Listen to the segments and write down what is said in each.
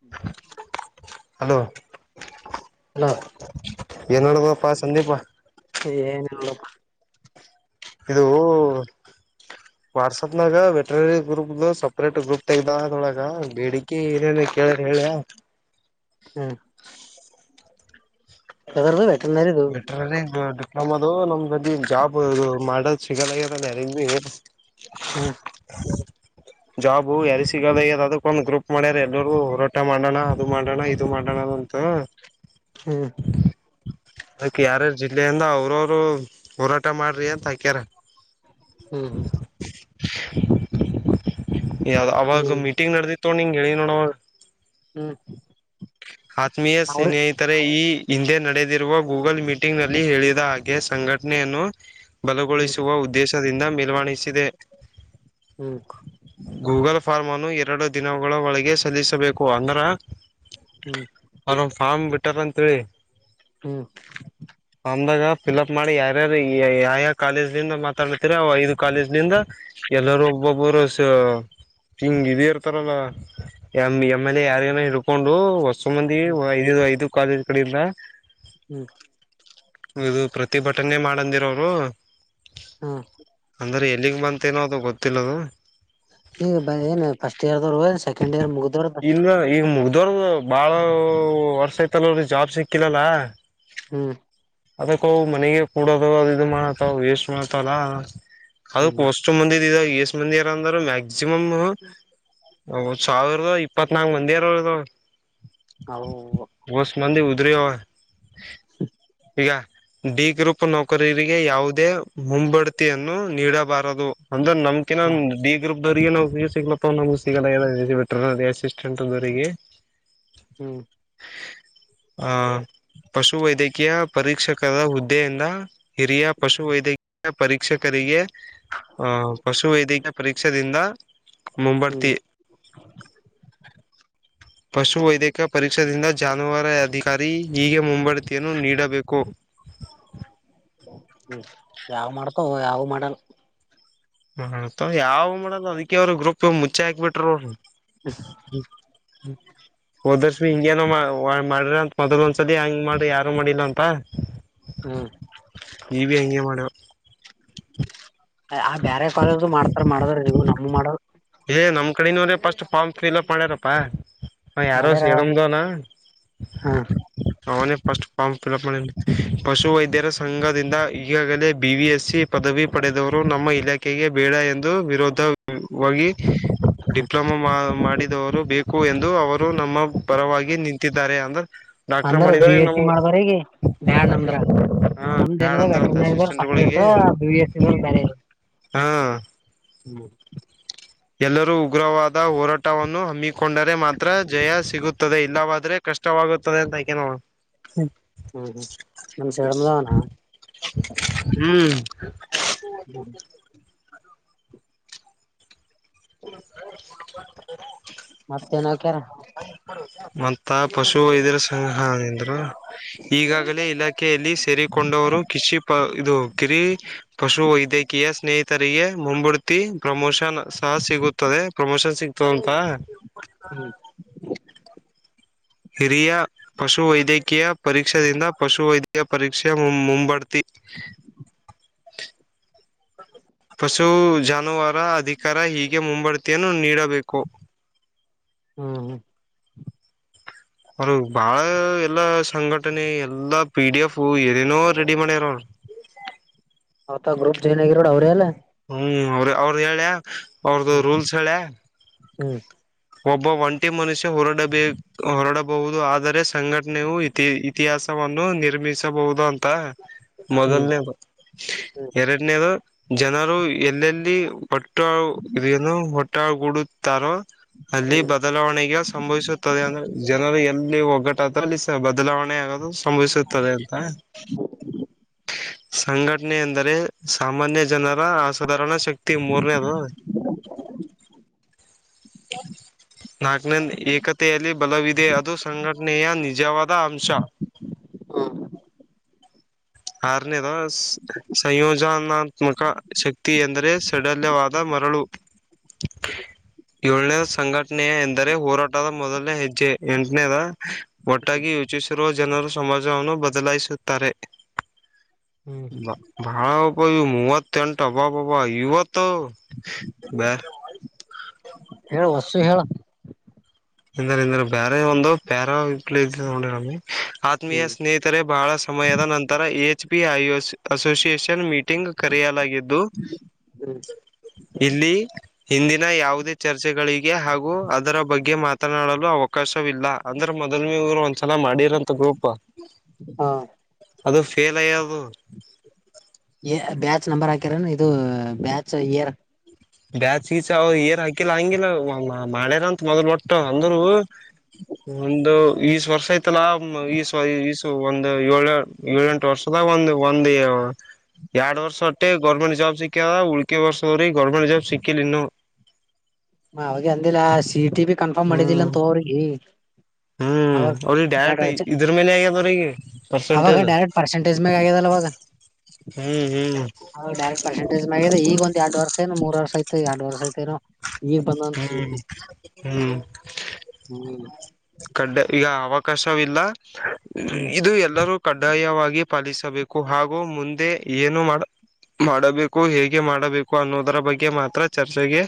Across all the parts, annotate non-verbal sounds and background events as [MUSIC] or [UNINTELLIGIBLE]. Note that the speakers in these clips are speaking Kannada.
ಹ್ಮ ಹಲೋ ಹಲೋ ಏನ ನಡದಪ್ಪ ಸಂದೀಪ. ಎನಿಲ್ ನೋಡಪ್ಪ. ಇದು ವಾಟ್ಸಪ್ ನಾಗ ವೆಟನರಿ ಗ್ರೂಪ್ ಸಪರೇಟ್ ಗ್ರೂಪ್ ತಗ್ದ ಅದ್ರೊಳಗ ಬೇಡಿ ಕೆ ಎನ್ ಏನೋ ಕೇಳರ್ ಹೇಳ್ಯ. ಹ್ಮ್ ಎದರ್ದು ವೆಟರ್ನರಿದು ಮೆ ಟ್ರೈನಿಂಗ್ ಡಿಪ್ಲೊಮದು ನಂಬಲ್ಲಿ ಜಾಬ್ ಇದು ಮಾಡದ ಸಿಗಲಾಗ್ಯದಲ್ ಯಾರಿಗ್ಬಿ. ಹ್ಮ್. ಹೇಳು [UNINTELLIGIBLE] ಜಾಬು ಯಾರಿಗ ಸಿಗಲಗ್ಯದ ಅದಕ್ ಒಂದ್ ಗ್ರೂಪ್ ಮಾಡ್ಯಾರ ಎಲ್ಲೋರು ಹೋರಾಟ ಮಾಡಣ ಅದು ಮಾಡಣ ಇದು ಇದು ಮಾಡಣ ಅಂತ ಹ್ಮ್. ಅದಕ್ಕೆ ಯಾರ್ಯಾರ ಜಿಲ್ಲೆ ಇಂದ ಅವ್ರ ಅವ್ರು ಹೋರಾಟ ಮಾಡ್ರಿ ಅಂತ ಹಾಕ್ಯಾರ. ಹ್ಮ್ ಹ್ಮ್. ಯಾವ ಅವಾಗ ಹ್ಮ್ ಹ್ಮ್ ಮೀಟಿಂಗ್ ನಡೆದಿತ್ತೊಡ್ ನಿಂಗ ಹೇಳಿನ ನೋಡ ಅವಾಗ. ಹ್ಮ್. ಹಾತ್ಮಿಯ ಅವ್ರ ಸೇನೆ. ತರೆ ಈ ಹಿಂದೆ ನಡೆದಿರುವ ಗೂಗಲ್ ಮೀಟಿಂಗ್ ನಲ್ಲಿ ಹೇಳಿದ ಹಾಗೆ ಸಂಘಟನೆಯನ್ನು. ಹ್ಮ್ ಬಲಗೊಳಿಸುವ ಉದ್ದೇಶದಿಂದ ಮೇಲ್ವಣಿಸಿದೆ. ಹ್ಮ್. ಗೂಗಲ್ ಫಾರ್ಮ್ ಅನ್ನು ಎರಡು ದಿನಗಳ ಒಳಗೆ ಸಲ್ಲಿಸಬೇಕು ಅಂದರ. ಹ್ಮ್. ಅವ್ರೊಂದು ಫಾರ್ಮ್ ಬಿಟ್ಟಾರ ಅಂತೇಳಿ. ಹ್ಮ್. ಫಾಮ್ದಾಗ ಫಿಲ್ಅಪ್ ಮಾಡಿ ಯಾರ್ಯಾರ ಯ ಯಾ ಯಾ ಕಾಲೇಜ್ನಿಂದ ಮಾತಾಡ್ತಿರಿ ಅವ್ ಐದು ಕಾಲೇಜ್ನಿಂದ. ಎಲ್ಲೋರು ಒಬ್ಬೊಬ್ರು ಸ ಟ ಹಿಂಗ್ ಇದ ಇರ್ತಾರಲ್ಲ ಎ ಎಮ್ ಏಮ್ ಎಲ್ ಎ ಯಾರಿಗನ ಹಿಡ್ಕೊಂಡು ಹೊಸ್- ವಸ್ಟು ಮಂದಿಗಿ ಹ್ಮ್ ವ ಐದು ಐದು ಕಾಲೇಜ್ ಕಡಿಂದ. ಹ್ಮ್. ಇದು ಪ್ರತಿಭಟನೆ ಮಾಡಂದಿರ ಅವ್ರು. ಹಾ. ಅಂದರ್ ಎಲ್ಲಿಗ್ ಬಂತೆನೋ ಅದು ಗೊತ್ತಿಲ್ಲದು. ಏ ಬ ಎನ್ ಫಸ್ಟ್ ಇಯರ್ ದೊರು ಎನ್ ಸೇ ಸೆಕೆಂಡ್ ಇಯರ್ ಮುಗದೋರ್ ಇಲ್ಲ ಈಗ ಮುಗ್ದೋರ್ದು ಬಾಳ ವರ್ಷ ಐತಲ್ರಿ ಜಾಬ್ ಸಿಕ್ಕಿಲ್ಲಲ್ಲ. ಹ್ಮ್. ಅದಕ್ಕ ಅವ್ ಮನ್ಯಾಗೆ ಕೂಡದ ಅದು ಇದು ಮಾಡತಾವು ವೇಸ್ಟ್ ಮಾಡ್ಲತವಲ್ಲ ಅದಕ್ ಹ್ಮ್ ಒಸ್ [UNINTELLIGIBLE] ಇಷ್ಟ ಮಂದಿ ಆರಾ ಅಂದ್ರ ಮ್ಯಾಕ್ಸಿಮಮ್. ಹಾ ಸಾವಿರದ ಇಪ್ಪತ್ನಾಲ್ಕು ಮಂದಿಯಾರು ಇದ್ದಾರ. ಹೌದ. ಹೊಸಿಮಂದಿ ಉದುರಿಯಾವ. ಈಗ. ಡಿ ಗ್ರೂಪ್ ನೌಕರರಿಗೆ ಯಾವುದೇ ಮುಂಬಡ್ತಿಯನ್ನು ನೀಡಬಾರದು ಅಂದ್ರೆ ನಮ್ದು. ಅದಿಕ್ಕೆ ನಾ ಡಿ ಗ್ರೂಪ್ ದವ್ರರಿಗೆ ನೌಕರಿ ಸಿಗ್ಲಪ್ಪ ನಮಗೆ ಸಿಗಲಾಗದ [UNINTELLIGIBLE] ಹ್ಮ್ ಆ ಪಶು ವೈದ್ಯಕೀಯ. ಪರೀಕ್ಷಕರ ಹುದ್ದೆಯಿಂದ ಹಿರಿಯ ಪಶು ವೈದ್ಯಕೀಯ ಪರೀಕ್ಷಕರಿಗೆ. ಹಾ ಪಶು ವೈದ್ಯಕೀಯ ಪರೀಕ್ಷೆದಿಂದ ಹ್ಮ್ ಮುಂಬಡ್ತಿ. ಪಶು ವೈದ್ಯಕ ಪರೀಕ್ಷಾದಿಂದ ಜಾನುವಾರು ಅಧಿಕಾರಿ ಹೀಗೆ ಮುಂಬಡ್ತಿಯನ್ನು ನೀಡಬೇಕು. ಹ್ಮ್ ಯಾವ್ ಮಾಡ್ತೋವು ಯಾವು ಮಾಡಲ್ಲ. ಹ್ಮ್ ಮತ್ ಯಾವು ಮಾಡದು ಅದಿಕ್ಕೆ ಅವ್ರು ಗ್ರೂಪ್ ಟು ಮುಚ್ಚಕ್ ಬಿಟ್ರು. [INAUDIBLE] ಹ್ಮ್ ಹೋದವರ್ಷ ಹಿಂಗೇ ನಮ್ಮ. ಮಾಡ್ರಿ ಅಂತ ಮೊದ್ಲ್ ಒಂದ್ಸಲಿ ಹೆಂಗ್ ಮಾಡ್ರಿ ಯಾರು ಮಾಡಿಲ್ಲ ಅಂತ. ಹ್ಮ [UNINTELLIGIBLE] ಹೆಂಗೆ ಮಾಡರು. ಆ ಬೇರೆ ಕಾಲೇಜು ಮಾಡ್ತಾರ ಮಾಡವ್ರು ನಮಿಗೆ ಮಾಡಲ್ಲ ಹೇ ನಮ್ ಕಡಿ ನೋಡಪ್ಪ ಫಾರ್ಮ್ ತ್ರೀ ಫೀಲ್ಅಪ್ ಮಾಡ್ಯಾರಪ್ಪಾ. ಯಾರೋ ಮಾಡ್ಯಾರ ಹ [UNINTELLIGIBLE] ಅವನೇ ಫಸ್ಟ್ ಫಾರ್ಮ್ ಫಿಲ್ಅಪ್ ಮಾಡಿ ಪಶು ವೈದ್ಯರ ಸಂಘದಿಂದ ಈಗಾಗಲೇ ಬಿ ವಿ ಎಸ್ ಸಿ. ಪದವಿ ಪಡೆದವರು ನಮ್ಮ ಇಲಾಖೆಗೆ ಬೇಡ ಎಂದು ವಿರೋಧವಾಗಿ. ಡಿಪ್ಲೊಮ ಮಾಡಿದವರು ಬೇಕು. ಬೇಕು ಎಂದು ಅವರು ನಮ್ಮ ಪರವಾಗಿ ನಿಂತಿದ್ದಾರೆ ಅಂದು. ಡಾಕ್ಟರ್ ಅಂದ್ರ ಬಿ ಮಾಡಿದಾರೆ ಎಸ್ ಸಿ ನಮ್ಮ ಮಾಡ್ದವ್ರಗ ಬ್ಯಾಡ ನಮ್ದ್ರ [UNINTELLIGIBLE] ಬ್ಯಾಡ ಅಂದರಂತ ಹಾಕಬೇಕು ವಿ ಐ ಪಿಗಳು ಬ್ಯಾರೆ. ಹಾ ಹ್ಮ್. ಎಲ್ಲರೂ ಉಗ್ರವಾದ ಹೋರಾಟವನ್ನು ಹಮ್ಮಿಕೊಂಡರೆ ಮಾತ್ರ ಜಯ ಸಿಗುತ್ತದೆ ಇಲ್ಲವಾದ್ರೆ. ಕಷ್ಟವಾಗುತ್ತದೆ [UNINTELLIGIBLE] ನೋಡು ಹ [UNINTELLIGIBLE] ಹ್ಮ್ ಹ್ಮ್ [UNINTELLIGIBLE] [INAUDIBLE] ಏನ್ ಹಾಕ್ಯಾರ ಮತ್ತ ಪಶು ವೈದ್ಯರ ಸಂಗ್ರಂದ್ರು ಈಗಾಗಲೇ ಇಲಾಖೆ. ಆಕೆಯಲ್ಲಿ ಸೇರಿಕೊಂಡವರು ಕಿಶಿ ಇದು ಕಿರಿ ಪಶು ವೈದ್ಯಕೀಯ ಸ್ನೇಹಿತ. ತರಿಗೆ ಮುಂಬಿಡ್ತಿ ಪ್ರಮೋಷನ್ ಸಹ ಸಿಗುತ್ತದೆ ಪ್ರಮೋಷನ್ ಸಿಗ್ತು ಅಂತ. ಹ್ಮ್ ಕಿರಿಯ. ಪಶು ವೈದ್ಯಕೀಯ ಪರೀಕ್ಷದಿಂದ ಪಶು ವೈದ್ಯಕಯ ಪರೀಕ್ಷೆ ಮು ಮುಂಬಡ್ತಿ. [UNINTELLIGIBLE] ಪಶು ಜಾನುವಾರ ಅಧಿಕಾರ ಹೀಗೆ ಮುಂಬಡ್ತಿಯನ್ನು ನೀಡಬೇಕು. ಹ್ಮ್ ಹ್ಮ. ಅವರು ಬಾಳ ಎಲ್ಲ ಸಂಘಟನೆ ಎಲ್ಲಾ ಪಿ ಡಿ ಎಫು ಏನೇನೋ ರೆಡಿ ಮಾಡ್ಯಾರ ಅವರು. ಆತ ಗ್ರೂಪ್ ಜಾಯನ್ ಆಗಿರಾವ್ರ್ ಅವ್ರೇ ಅಲ್ಲ. ಹ್ಮ್ ಅವ್ರ ಅವ್ರದ ಹೇಳ್ಯ ಅವ್ರದು ಹ್ಮ್ ರೂಲ್ಸ್ ಹೇಳ್ಯ. ಹ್ಮ್. ಒಬ್ಬ ಒಂಟಿ ಮನುಷ್ಯ ಹೊರಡಬೇಕ್. ಹೊರಡಬಹುದು ಆದರೆ ಸಂಘಟನೆಯು ಇತಿ ಇತಿಹಾಸವನ್ನು ನಿರ್ಮಿಸಬಹುದು ಅಂತ. ಹ್ಮ್ ಮೊದಲನೇದು ಹ್ಮ್ ಎರಡನೇದು. ಜನರು ಎಲ್ಲೆಲ್ಲಿ ಒಟ್ಟು ಇದಏನು ಹೊಟ್ಟಾ ಗೂಡುತ್ತಾರೋ. ಅಲ್ಲಿ ಹ್ಮ್ ಬದಲಾವಣೆಗೆ ಸಂಭವಿಸುತ್ತದೆ ಅಂದ್ರೆ ಜನರು ಎಲ್ಲಿ ಒಗ್ಗಟ್. ಅದ್ರಲ್ಲಿಸ ಬದಲಾವಣೆ ಆಗೋದು ಸಂಭವಿಸುತ್ತದೆ ಅಂತ. ಹ್ಮ. [INAUDIBLE] ಸಂಘಟನೆ ಎಂದರೆ ಸಾಮಾನ್ಯ ಜನರ ಅಸಾಧಾರಣ ಶಕ್ತಿ ಮೂರನೇದು. [UNINTELLIGIBLE] ಹ. [UNINTELLIGIBLE] ನಾಕನೇ ಏಕತೆಯಲ್ಲಿ ಬಲವಿದೆ ಅದು ಸಂಘಟನೆಯ ನಿಜವಾದ ಅಂಶ. ಹಾ. ಆರನೇದ ಸಯೋಜನಾತ್ಮಕ ಶಕ್ತಿ ಎಂದ್ರೆ. ತಡಲ್ಯವಾದ ಮರಳು. ಯೋಳ್ನೇದ ಸಂಘಟನೆಯ ಎಂದರೆ ಹೋರಾಟದ ಮೊದಲನೇ ಹೆಜ್ಜೆ ಎಂಟನೇದ. ಒಟ್ಟಾಗಿ ಯೋಚಿಸಿರುವ ಜನರು ಸಮಾಜವನ್ನು ಬದಲಾಯಿಸುತ್ತಾರೆ. [UNINTELLIGIBLE] ನಾ. ಬಾಳಬ ಮೂವತ್ತೆಂಟು ಅಬ್ಬಬ್ ಅಬ್ಬ ಇವತ್ತು ಬ್ಯಾ. ಹೇಳು ವಸ್ಸು ಹೇಳ. ಎಂದ್ರಂದ್ರ ಬೇಾರೆ ಒಂದು ಪ್ಯಾರಲ [UNINTELLIGIBLE] ಆತ್ಮೀಯ ಹ್ಮ್ ಸ್ನೇಹಿತ್. ತರೆ ಬಹಳ ಸಮಯದ ನಂತರ A H P I association meeting ಕರೆಯಲಾಗಿದ್ದು ಹ್ಮ್ ಇಲ್ಲಿ. ಹಿಂದಿನ ಯಾವುದೇ ಚರ್ಚೆಗಳಿಗೆ ಹಾಗೂ ಅದರ ಬಗ್ಗೆ ಮಾತ್. ತನಾಡಲು ಅವಕಾಶವಿಲ್ಲ ಅಂದ್ರೆ ಮೊದಲ್ ನೆವ್ರು ಒಂದ್ಸಲ ಮಾಡಿರಂತ ಗ್ರೂಪ್. ಹಾ. ಅದು ಫೇಲಾಯ್ಯದು. ಏ ಬ್ಯಾಚ್ ನಂಬರ್ ಹಾಕಿರೆನು ಇದು ಬ್ಯಾಚ್ ಇಯರ್. ಬ್ಯಾಚ ಗೀಚ್ ಅವ ಏನ್ ಹಾಕಿಲ್ಲ ಹಂಗಿಲ್ಲ ಮಾಡ್ಯಾರಂತ ಮೊದ್ಲು ಒಟ್ಟ ಅಂದರು. ಒಂದು ಈಸ ವರ್ಷ ಐ್ತಲ್ಲ ಈ ಈಸ ಈಸು ಒಂದ್ ಯೋಳ್. ಏಳ ಎಂಟು ವರ್ಷದಾಗ್ ಒಂದು್ ಒಂದು. ಎರಡ್ ವರ್ಷ ಹೊಟ್ಟೆ ಗೌರ್ಮೆಂಟ್ ಜಾಬ್ ಸಿಕ್ಕದ ಉಳ್ಕೆ ವರ್ಷ ಇವ್ರ್ ಗೌರ್ಮೆಂಟ್ ಜಾಬ್ ಸಿಕ್ಕಿಲ್ಲ ಇನ್ನು. ಅವಿ ಅಂದಿಲ್ಲ ಸೀ ಟಿ ಬಿ ಕನ್ಫರ್ಮ್ ಮಾಡಿದ್ದಿಲ್ಲ ಹ್ಮ್ ಅ ತೋರ್ಗಿ. ಹ್ಮ್ ಅವ್ರಿಗೆ ಡ್ಯರೆಟ್ ಇದ್ರ ಮೇಲೆ ಆಗ್ಯದ ಅವ್ರಗೆ ಅವಾಗ ಪರ್ಸೆಂಟೇಜ್. ಡೈರೆಕ್ಟ್ ಪರ್ಸೆಂಟೇಜ್ ಮ್ಯಾಗ ಆಗ್ಯದಲ್ಲ ಹ್ಮ್ ಹ್ಮ್. ಅವ್ರಿಗ್ ಡೈರೆಕ್ಟ್ ಪರ್ಸಂಟೇಜ್ ನ್ ಈಗ ಒಂದ ಎರಡ್ ವರ್ಷ ಏನು ಮೂರ್ ವರ್ಷ ಆಯ್ತೋ ಎರಡು ವರ್ಷ ಐತೆೇನು. ಹ್ಮ್ ಹ್ಮ್. ಹ್ಮ್. ಕಡ್ಡೆ ಈಗ ಅವಕಾಶವಿಲ್ಲ ಹ್ಮ್ ಇದು ಎಲ್ಲವು. ಕಡ್ಡಾಯವಾಗಿ ಪಾಲಿಸಬೇಕು ಹಾಗು ಮುಂದೆ ಏನು ಮಾಡ. ಮಾಡಬೇಕು ಹೇಗೆ ಮಾಡಬೇಕು ಅನ್ನೋದರ ಬಗ್ಗೆ ಮಾತ್ರ ಚರ್ಚೆಗೆ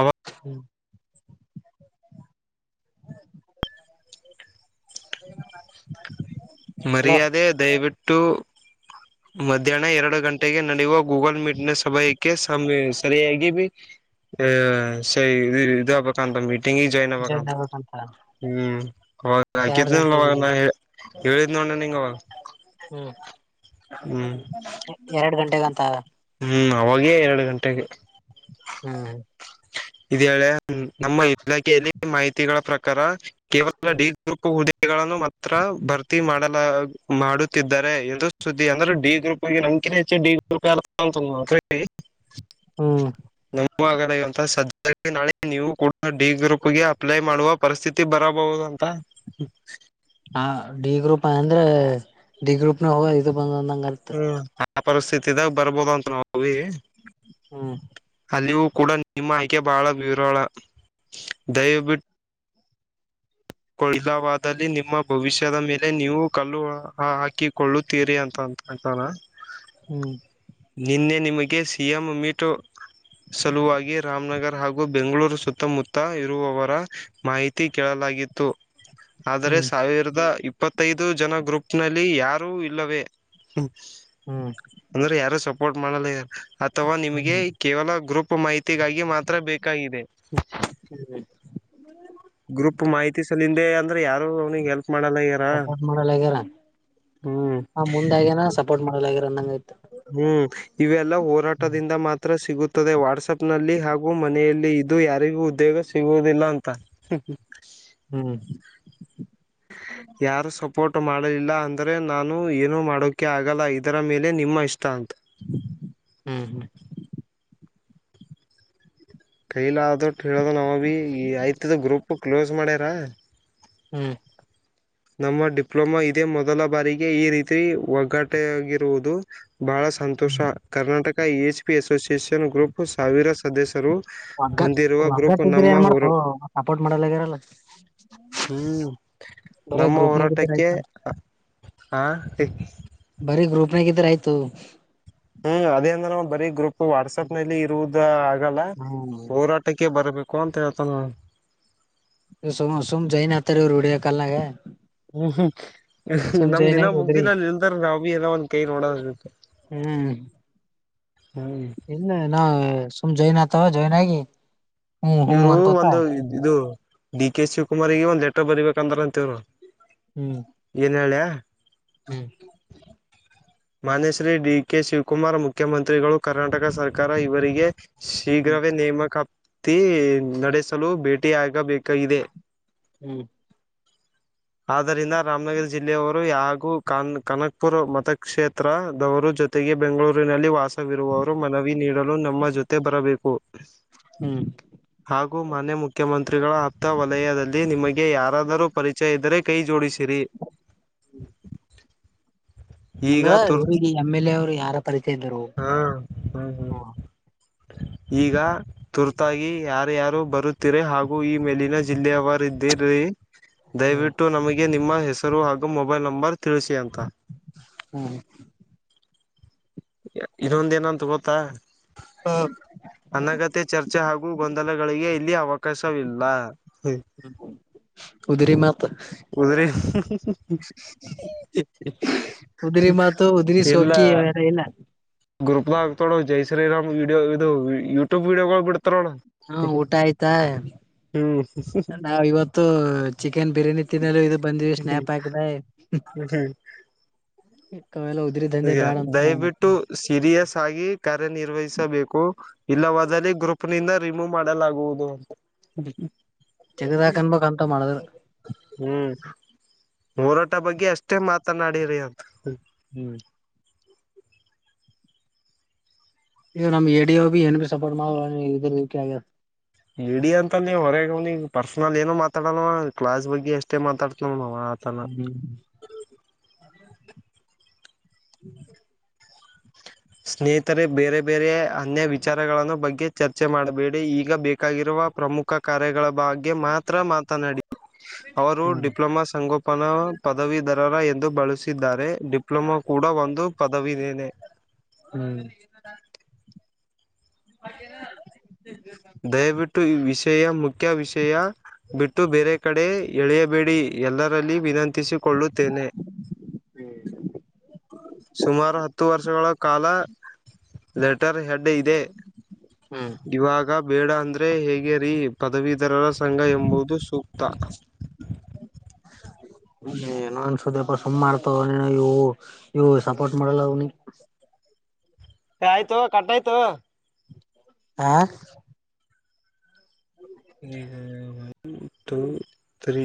ಅವ ಹ್ಮ್. ಹಲೋ ಮರ್ಯಾದೆ ದಯವಿಟ್ಟು ಮಧ್ಯಾಹ್ನ ಎರಡು ಗಂಟೆಗೆ ನಡೆಯುವ. ಗೂಗಲ್ ಮೀಟ್ ನ ಸಭಯ ಕ್ಕೆ ಸಮಿ ಸರಿಯಾಗಿ ಬಿ ಆ ಸರಿ ಇದ ಆಗಬೇಕು ಅಂತ ಮಿ ಮೀಟಿಂಗ ಜಾಯಿನ್ ಆಗ್ಬೇಕಂತ ಹ್ಮ ಅವಾಗ ಎರಡ್ ಹಕಿದಿಲ್ಲ ಅವಾಗ ಗಂಟೆಗೆ ನಾ. ಹೇಳಿದ್ ನೋಡ ನೀನಗ ಅವಾಗ ಹ್ಮ್. ಎ ಎರಡ್ ಗಂಟೆಗಂತ. ಹ್ಮ್ ಅವಾಗೇ ಎರಡ ಗಂಟೆಗೆ. ಹ್ಮ್. ಇದೇಳೇಳೆ ನಮ್ಮ ಇಲಾಖೆಯಲ್ಲಿ ಮಾಹಿತಿಗಳ ಪ್ರಕಾರ ಕೇವಲ ಡಿ. ಹ್ಮ್ ಗ್ರೂಪ್ ಹುದ್ದೆಗಳನ್ನು ಮಾತ್ರ ಭರ್ತಿ ಮಾಡಲ ಮಾಡುತ್ತಿದ್ದಾರೆ ಎಂದು. ಸುದ್ದಿ ಅಂದ್ರೆ ಡಿ ಗ್ರೂಪ್ ಆಗ ನಮಕ ಹೆಚ್ಚನ ಡಿ ಗ್ರೂಪ ಯಾರಾದಪ ಅಂದರ [UNINTELLIGIBLE] ಹ್ಮ. [UNINTELLIGIBLE] ಇಂತ ಸದ್ಯ ನಾಳೆ ನೀವು ಕೂಡ ಡಿ ಗ್ರೂಪ್ಗೆ ಅಪ್ಲೈ ಮಾಡುವ. ಪರಿಸ್ಥಿತಿ ಬರಬಹುದು ಅಂತ. ಹಾ ಡಿ ಗ್ರೂಪ್ ಅಂದ್ರೆ ಡಿ ಗ್ರೂಪ್ ನ ಹೋಗ ಇದು ಬಂದಂದ ಅಂದಾಗ ಅಲ್ಲಿ. ಹ ಆ ಪರಿಸ್ಥತಿದಾಗ ಬರ್ಬೋದಂತ ನಾವೀ. ಹ್ಮ. ಅಲ್ಲಿಯೂ ಕೂಡ ನಿಮ್ಮ ಆಯ್ಕೆ ಬಹಳ ವಿರಾಳ ದಯವಿಟ್ಟು. ಕೂ ಇಲ್ಲವಾದಲ್ಲಿ ನಿಮ್ಮ ಭವಿಷ್ಯದ ಮೇಲೆ ನೀವು ಕಲ್ಲು ಹಾಕಿಕೊಳ್ಳುತ್ತೀರಿ ಅಂತಂತ. ಅಂತನ. ಹ್ಮ್. ನಿನ್ನೆ ನಿಮಗೆ ಸಿ ಎಂ ಮೀಟು. ಸಲುವಾಗಿ ರಾಮನಗರ ಹಾಗೂ ಬೆಂಗಳೂರು ಸುತ್ತಮುತ್ತ ಇರುವವರ. ಮಾಹಿತಿ ಕೇಳಲಾಗಿತ್ತು ಆದರೆ ಹ್ಮ್ ಸಾವಿರದ ಇಪ್ಪ ಇಪ್ಪತ್ತೈದು ಜನ ಗ್ರೂಪ್ ನಲ್ಲಿ ಯಾರೂ ಇಲ್ಲವೇ. ಹ್ಮ್. ಅಂದ್ರೆ ಯಾರು ಸಪೋರ್ಟ್ ಮಾಡಲಾಗ್ಯಾರ ಅಥವಾ ನಿಮ್ಗೆ ಹ್ಮ್ ಕೇವಲ ಗ್ರೂಪ್ ಮಾಹಿತಿ ತಿಗಾಗಿ ಮಾತ್ರ ಬೇಕಾಗಿದೆ. ಹ್ಮ್. ಗ್ರೂಪ್ ಮಾಹಿತಿ ಸಲ್ಲಿಂದೆ. ಅಂದ್ರೆ ಯಾರು ಅವ್ನಿಗೆ ಹೆಲ್ಪ್ ಮಾಡಲ್ಲಆಗ್ಯಾರ ಸಪೋರ್ಟ್ ಮಾಡಲಾಗ್ಯಾರ ಹ್ಮ್. ಹಗೆನಾ ಸ ಸಪೋಟ್ ಮಾಡಲಾಗ್ಯಾರ ಅಂದಂಗ ಅಯತ್. ಹ್ಮ್. ಇವೆಲ್ಲಾ ಹೋರಾಟದಿಂದ ಮಾತ್ರ ಸಿಗುತ್ತದೆ ವಾಟ್ಸಪ್ ನಲ್ಲಿ ಹಾಗೂ ಮನೆಯಲ್ಲಿ ಇದು ಯಾರಿಗೂ ಉದ್ಯೋಗ ಸಿ ಸಿಗೋದಿಲ್ಲ ಅಂತ. ಹ್ಮ್. [INAUDIBLE] ಯಾರು ಸಪೋರ್ಟ್ ಮಾಡಲಿಲ್ಲ ಅಂದರೆ ನಾನು ಏನೂ ಮಾಡೋಕ ಆಗಲ್ಲ ಇದರ ಮೇಲೆ ನಿಮ್ಮ ಇಷ್ಟ ಅಂತ. ಹ್ಮ್ ಹ್ಮ್. ಕೈಲೆ ಆದಟ್ಟು ಹೇಳಿವಿ ನಾವು ಭೀ ಈ ಆಯ್ತದ ಗ್ರೂಪ್ ಅದ ಕ್ಲೋಸ್ ಮಾಡ್ಯಾರಾ. ಹ್ಞ. ನಮ್ಮ ಡಿಪ್ಲೊಮಾ ಇದೇ ಮೊದಲ ಬಾರಿಗೆ ಈ ರೀತಿ ಒಗ್ಗಾಟ ಆಗಿರುವುದು. ಬಾಹಳ ಸಂತೋಷ Karnataka E H P association group ಸಾವಿರ ಸದಸ್ಯರು. ಒಗ್ಗ ಹೊಂದಿರುವ ಒಗ್ಗಟ ಗ್ರೂಪ್ ಇದರ ನಮ್ಮ ಏನ್ ಹೋರ ಮಾಡ್ತವ ಸಪೋರ್ಟ್ ಮಾಡಲ್ಲಗಿರಲ್ಲ. [INAUDIBLE] ಹ್ಮ್ ಬರೀ ನಮ್ಮ ಗ್ರೂಪ್ನಾಗ ಇದ್ರ ಹೋರಾಟಕ್ಕೆ ಆಯ್ತ ಹಾ [INAUDIBLE] ಬರಿ ಗ್ರೂಪ್ ನ್ಯಾಗ ಇದ್ದರೆ ಆಯಿತು. [INAUDIBLE] ಹ್ಮ್ ಅದೇ ಅಂದ್ರೆ ನಾವ್ ಬರೀ ಗ್ರೂಪ್ ವಾಟ್ಸಪ್ ನಲ್ಲಿ ಇರುವುದ ಆಗಲ್ಲ ಹ್ಮ್ ಹೋರಾ [INAUDIBLE] ಟಕ್ಕೆ ಬರಬೇಕು ಅಂತ ಹೇಳ್ತಾನ ಅವ. ಏ ಸಮ ಸುಮ್ ಜೈನ್ ಆತರಿರು ವಿಡಿಯೋ ಕಾಲ್ ನ್ಯಾಗ. [INAUDIBLE] ಹ್ಮ್ ಹ್ಮ. [INAUDIBLE] [INAUDIBLE] ಯಸಿ ನಮ್ಮದ ಜೈನ್ ಇನ್ನ ಆಗಿ ಹೋದ್ರಿ ಮುಗದಿಲ್ಲ ಅಲ್ಲ ನಿಂದರ್ ನೌಬಿ ಇದಾವ ಅಂತ್ ಒಂದ್ ಕೈ ನೋಡೋದ ಇರುತ್ತೆ. ಹ್ಮ್. [UNINTELLIGIBLE] ಹ್ಮ. [UNINTELLIGIBLE] ಇಲ್ಲ ಇನ್ನ ಸುಮ್ ಜಾಯಿನ್ ಆಗ್ತವ ಜಾಯಿನ್ ಆಗಿ. [INAUDIBLE] ಹ್ಮ್ ಹ್ಮ್ ಇವರು ಅನ್ಕೋತ ಒಂದು ಇದು ಡಿ ಕೆ ಶಿವಕುಮಾರಗೆ ಒಂದ್ ಲೆಟರ್ ಬರಿಬೇಕಂದ್ರ ಅಂತ ಇವರು. ಹ್ಮ್. [UNINTELLIGIBLE] ನೀರ್ ಹೇಳಲ್ಯಾ. ಹ್ಮ್. [UNINTELLIGIBLE] ಮಾನ್ಯ ಶ್ರೀ ಡಿ ಕೆ ಶಿವಕುಮಾರ್ ಮುಖ್ಯಮಂತ್ರಿಗಳು ಕರ್ನಾಟಕ ಸರ್ಕಾರ ಇವರಿಗೆ. ಶೀಘ್ರವೇ ನೇಮಕಾತಿ ನಡೆಸಲು ಭೇಟಿಯಾಗಬೇಕಾಗಿದೆ. [INAUDIBLE] ಹ್ಮ್. [UNINTELLIGIBLE] ಆದ್ದರಿಂದ ರಾಮನಗರ ಜಿಲ್ಲೆಯವರು ಹಾಗೂ ಕನ್ ಕನಕಪುರ ಮತ್ತ ಕ್ಷೇತ್ರದವರು ಜೊತೆಗೆ ಬೆಂಗಳೂರಿನಲ್ಲಿ ವಾಸವಿರುವವರು ಮನವಿ ನೀಡಲು ನಮ್ಮ ಜೊತೆ ಬರಬೇಕು. [INAUDIBLE] ಹ್ಮ್. ಹಾಗೂ ಮಾನ್ಯ ಮುಖ್ಯಮಂತ್ರಿಗಳ ಅತ್ತ ವಲಯದಲ್ಲಿ ನಿಮಗೆ ಯಾರಾದರೂ ಪರಿಚಯ ಇದ್ದರೆ ಕೈ ಜೋಡಿಸಿರಿ. [INAUDIBLE] ಈಗ ಅಂದ್ರ ತುರ್ತ ಇವರಿಗೆ ಎಮ್ ಎಲ್ ಎ ಅವರು ಯಾರ ಪರಿಚಯ ಇದರು ಹಾ ಹ್ಮ್. [INAUDIBLE] ಈಗಾ. ತುರ್ತಾಗಿ ಯಾರು ಯಾರು ಬರುತ್ತಿರಿ ಹಾಗೂ ಈ ಮೇಲಿನ ಜಿಲ್ಲೆಯವರು ಇದ್ದೀರಿ. ಹ್ಮ್ ದಯಬಿಟ್ಟು ನಮಗೆ ನಿಮ್ಮ ಹೆಸರು ಹಾಗೂ ಮೊಬೈಲ್ ನಂಬರ್ ತಿಳಿಸಿ ಅಂತ. [INAUDIBLE] ಹ್ಮ. [INAUDIBLE] ಇನ್ನೊಂದ ಏನಂತ ಗೊತ್ತಾ. [INAUDIBLE] ಹಾ. [UNINTELLIGIBLE] ಅನಗತ್ಯ ಚರ್ಚೆ ಹಾಗೂ ಗೊಂದಲಗಳಿಗೆ ಇಲ್ಲಿ ಅವಕಾಶವಿಲ್ಲ. ಉದರಿ ಮಾತ್. [INAUDIBLE] ಉದರಿ. [INAUDIBLE] ಉದರಿ ಮಾತು ಉದರಿ ಸೋಕಿ ಅರಇಲ್ಲ. [INAUDIBLE] ಗ್ರೂಪ್ ದಾಗ್ ಹಾಕ್ತಾರ ನೋಡ ಜೈ ಶ್ರೀರಾಮ್ ವೀಡಿಯೋ ಇದು ಯೂಟ್ಯೂಬ್ ವೀಡಿಯೋಗಳು ಬಿಡ್ತಾರ ಅಣ್ಣಾ. [INAUDIBLE] ಹಾ ಊಟ ಆಯ್ತಾ. [INAUDIBLE] [INAUDIBLE] ನಾವ ಇವತ್ತು ಚಿಕನ್ ಬಿರಿಯಾನಿ ತಿನ್ನಲು ಇದು ಬಂದಿವಿ ಸ್ನ್ಯಾಪ್ ಹಾಕಿದೆ. ಓಕೆ. [UNINTELLIGIBLE] [INAUDIBLE] ಇಂಥವೆಲ್ಲ ಉದ್ರಿ ದಂಧೆ ಬ್ಯಾಡ ಅಂತನಾ ಆವ ನಂಗ್. ದಯವಿಟ್ಟು ಸೀರಿಯಸ್ ಆಗಿ ಕಾರ್ಯನಿರ್ವಹಿಸಬೇಕು. [INAUDIBLE] ಇಲ್ಲವಾದಲ್ಲಿ ಗ್ರೂಪ್ ನಿಂದ ರಿಮೂವ್ ಮಾಡಲಾಗುವುದು ಅಂತ. [INAUDIBLE] ತಿನ್ನರ್ಯಾಕ್ ಅನ್ನಬೇಕ ಹಂತವ ಮಾಡೋದಿದ್ದರು. [INAUDIBLE] [INAUDIBLE] ಹ್ಮ್ ಹೋರಾಟ ಬಗ್ಗೆ ಅಷ್ಟೇ ಮಾತನಾಡಿರಿ ಅಂತ. ಹ್ಮ್. [UNINTELLIGIBLE] ಇಗ ನಮ್ ಎ ಡಿ ಓ ಬಿ ಏನ್ ಬಿ ಸಪೋರ್ಟ್ ಮಾಡ ಇದ ರ ಈಕೆ ಆಗದ. ಮೀಡಿಯಾ ಅಂತಲ್ಲಿ ನೀವು ಹೊರಗ ಅವ್ನ ಈಗ ಪರ್ಸನಲ್ ಏನೋ ಮಾತಾಡೋವ ಕ್ಲಾಸ್ ಬಗ್ಗೆ ಎಷ್ಟೇ ಮಾತಾಡ್ತವ. ಹ್ಮ್ [INAUDIBLE] ಸ್ನೇಹಿತರೆ ಬೇರೆ ಬೇರೆ ಅನ್ಯ ವಿಚಾರಗಳನ್ನು ಬಗ್ಗೆ ಚರ್ಚೆ ಮಾಡಬೇಡಿ ಈಗ ಬೇಕಾಗಿರುವ ಪ್ರಮು ಖ ಕಾರ್ಯಗಳ ಬಗ್ಗೆ ಮಾತ್ರ ಮಾತನಾಡಿ ಅವರು ಹ್ಮ್ ಡಿಪ್ಲೊಮಾ ಸಂಗೋಪ ಪನ ಪದವೀಧರರ ಎಂದು ಬಳಸಿದ್ದಾರೆ ಡಿಪ್ಲೊಮಾ ಕೂಡ ಒಂದು ಪದವಿನೇನೆ. ಹ್ಮ್. ದಯವಿಟ್ಟು ಈ ವಿಷಯ ಮುಖ್ಯ ವಿಷಯ. ಬಿಟ್ಟು ಬೇರೆ ಕಡೆ ಎಳೆಯಬೇಡಿ ಎಲ್ಲರಲ್ಲಿ ವಿನಂತಿಸಿಕೊಳ್ಳುತ್ತೇನೆ. ಸುಮಾರು ಹತ್ತು ವರ್ಷಗಳ ಕಾಲ ಲೆಟರ್ ಹೆಡ್ ಇದೆ. ಹ್ಮ್. ಇವಾಗ ಬೇಡ ಅಂದ್ರೆ ಹೇಗೆ ರೀ ಪದವೀಧರರ ಸಂಘ ಎಂಬುದು ಸೂಕ್ತ. [INAUDIBLE] ಏ ನ ಅನ್ಸುದ್ರಪ ಸುಮ್ಮ್ ಮಾಡ್ತಾವ ಇವು ಇವು ಸಪೋರ್ಟ್ ಮಾಡಲ್ಲ ಅವ್ನಿ. ಏ ಆಯ್ತು ಕಟ್ಟ ಆಯ್ತು. ಆ. ಹ್ಮ ಹ್ಮ್ ಹ್ಮ್. Two three.